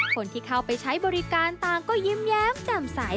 คนที่เข้าไปใช้บริการต่างก็ยิ้มแย้มแจ่มใส